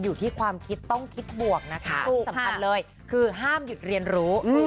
อยู่ที่ความคิดต้องคิดบวกนะคะที่สำคัญเลยคือห้ามหยุดเรียนรู้